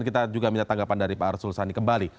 kita juga minta tanggapan dari pak arsul sani kembali